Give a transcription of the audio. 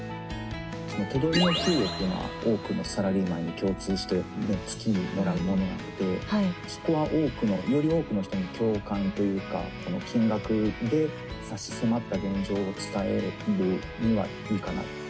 手取りの給与っていうのは多くのサラリーマンに共通して月にもらうものなのでそこはより多くの人の共感というか金額で差し迫った現状を伝えるにはいいかなと。